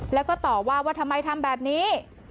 แล้วก็ตอบว่าว่าทำไมทำแบบนี้